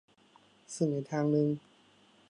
ซึ่งในทางนึง